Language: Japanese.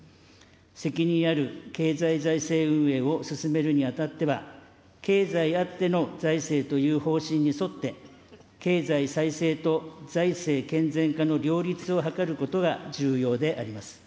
責任ある経済財政運営を進めるにあたっては、経済あっての財政という方針に沿って、経済再生と財政健全化の両立を図ることが重要であります。